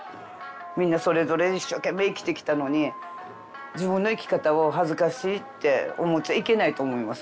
みんなそれぞれ一生懸命生きてきたのに自分の生き方を恥ずかしいって思っちゃいけないと思います